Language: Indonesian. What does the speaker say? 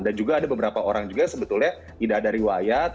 dan juga ada beberapa orang juga sebetulnya tidak ada riwayat